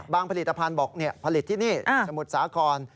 ผลิตภัณฑ์บอกผลิตที่นี่สมุทรสาคร